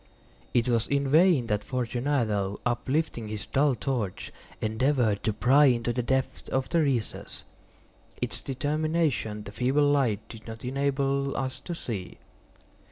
It was in vain that Fortunato, uplifting his dull torch, endeavored to pry into the depths of the recess. Its termination the feeble light did not enable us to see.